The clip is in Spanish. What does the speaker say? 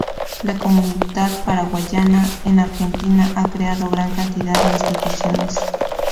La comunidad paraguaya en Argentina ha creado gran cantidad de instituciones.